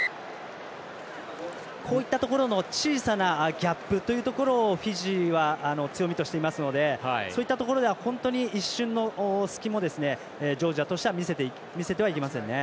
こういったところの小さなギャップというところをフィジーは強みとしていますのでそういったところでは本当に一瞬の隙もジョージアとしては見せてはいけませんね。